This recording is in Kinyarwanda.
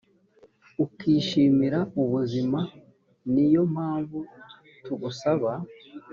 ukishimira ubuzima ni yo mpamvu tugusaba